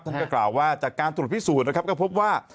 ท่านก็กล่าวว่าจากการตรวจพิสูจน์นะครับก็พบว่า